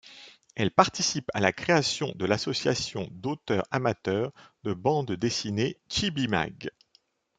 Elle participe à la création de l'association d'auteurs amateurs de bande dessinée Chibimag.